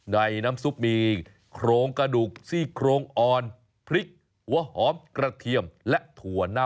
ในน้ำซุปมีโครงกระดูกซี่โครงอ่อนพริกหัวหอมกระเทียมและถั่วเน่า